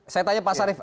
saya tanya pak sarif